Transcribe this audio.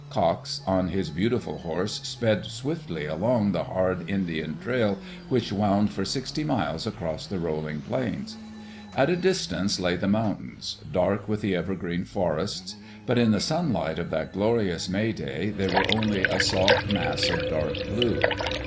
Cox, on his beautiful horse, sped swiftly along the hard Indian trail which wound for sixty miles across the rolling plains. At a dis tance lay the mountains, dark with the evergreen forests; but in the sunlight of that glorious May day they were only a soft mass of dark blue.